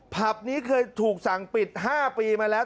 ผับนี้เคยถูกสั่งปิด๕ปีมาแล้ว